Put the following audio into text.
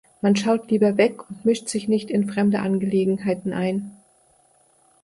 Man schaut lieber weg und mischt sich nicht in fremde Angelegenheiten ein.